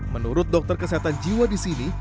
menurut dokter kesehatan jiwa di sini